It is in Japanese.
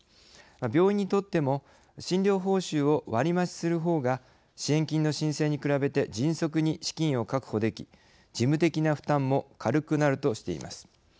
病院にとっても診療報酬を割り増しするほうが支援金の申請に比べて迅速に資金を確保でき事務的な負担も軽くなるとしています。